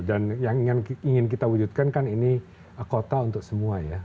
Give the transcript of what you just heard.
dan yang ingin kita wujudkan kan ini kota untuk semua ya